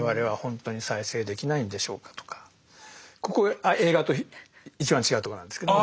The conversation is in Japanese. ここ映画と一番違うところなんですけどね。